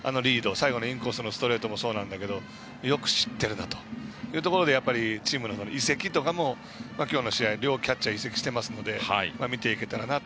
最後のインコースのストレートもそうなんだけどよく知っているなというところでチームの移籍とかも今日の試合両キャッチャー移籍しているので見ていけたら。